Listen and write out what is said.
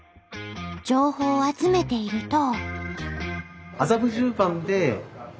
情報を集めていると。